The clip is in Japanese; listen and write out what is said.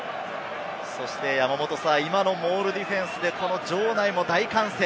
山本さん、今のモールディフェンスで場内も大歓声。